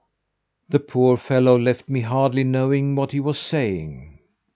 "The poor fellow left me hardly knowing what he was saying.